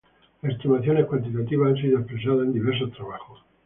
Las estimaciones cuantitativas han sido expresadas en diversos trabajos.